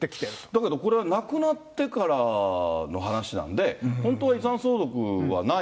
だけど、これは亡くなってからの話なんでね、本当は遺産相続はない？